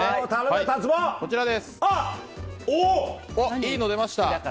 いいのが出ましたよ。